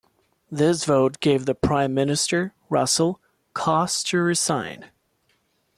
This vote gave the Prime Minister, Russell, cause to resign.